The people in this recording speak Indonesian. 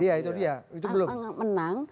iya itu dia